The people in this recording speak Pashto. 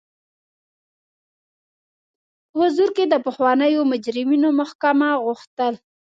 په حضور کې د پخوانیو مجرمینو محاکمه غوښتل.